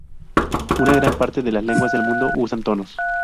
Una gran parte de las lenguas del mundo usan tonos.